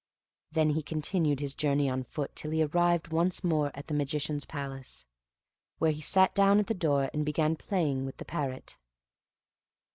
He then continued his journey on foot till he arrived once more at the Magician's palace, where he sat down at the door and began playing with the Parrot.